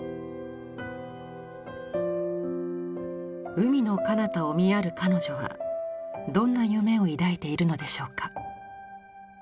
海のかなたを見やる彼女はどんな夢を抱いているのでしょうか。